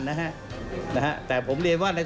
ส่วนต่างกระโบนการ